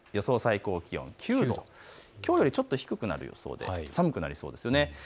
最高気温９度、きょうよりちょっと低くなる予想で寒くなりそうです。